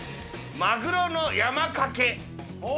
マグロの山かけ。